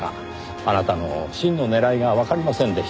あなたの真の狙いがわかりませんでした。